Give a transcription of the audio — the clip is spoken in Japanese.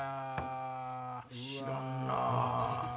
知らんな。